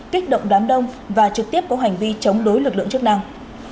kích động đám đông và trực tiếp có hành vi chống đối lực lượng chức năng